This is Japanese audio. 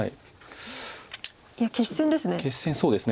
いや決戦ですね。